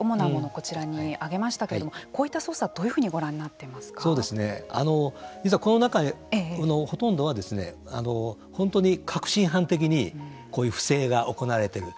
こちらに挙げましたけれどもこういった捜査をどういうふうに実はこの中のほとんどは本当に確信犯的にこういう不正が行われている。